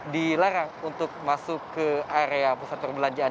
dilarang untuk masuk ke area pusat perbelanjaan